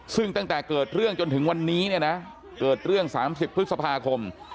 ซึ่งตั้งแต่เกิดเรื่องจนถึงวันนี้เนี่ยนะเกิดเรื่อง๓๐พฤษภาคม